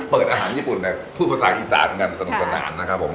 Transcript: อาหารญี่ปุ่นพูดภาษาอีสานกันสนุกสนานนะครับผม